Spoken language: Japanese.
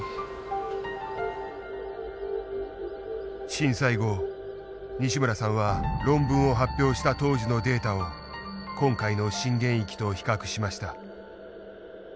震災後西村さんは論文を発表した当時のデータを今回の震源域と比較しました。